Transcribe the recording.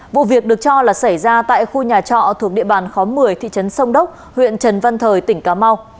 vụ việc được cho là xảy ra tại khu nhà trọ thuộc địa bàn khóm một mươi thị trấn sông đốc huyện trần văn thời tỉnh cà mau